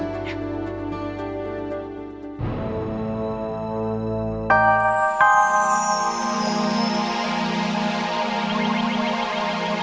nanti aku akan jaga nona